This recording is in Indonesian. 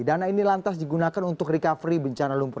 dana ini lantas digunakan untuk recovery bencana lumpur